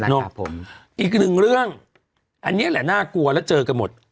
ครับผมอีกหนึ่งเรื่องอันนี้แหละน่ากลัวแล้วเจอกันหมด